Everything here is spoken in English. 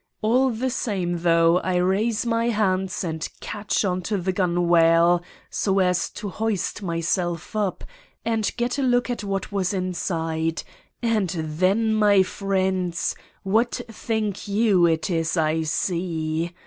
All the same, though, I raise my hands and catch onto the gunwale, so as to hoist myself up and get a look at what was inside—and then, my friends, what think you it is I see?